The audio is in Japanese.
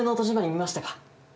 見ましたか？